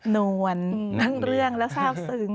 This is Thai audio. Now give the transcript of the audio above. นวลทั้งเรื่องและทราบซึ้ง